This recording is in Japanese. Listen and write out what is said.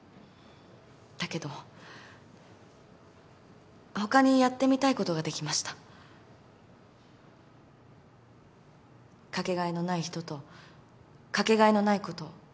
だけど他にやってみたいことができました。掛け替えのない人と掛け替えのないことを。